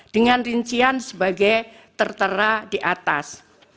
dengan rincian sebagai tertera di atas